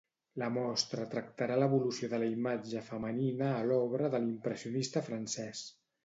La mostra tractarà l'evolució de la imatge femenina a l'obra de l'impressionista francès.